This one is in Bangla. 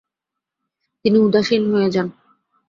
তিনি উদাসীন হয়ে যান।